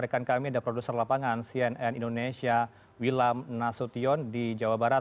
rekan kami ada produser lapangan cnn indonesia wilam nasution di jawa barat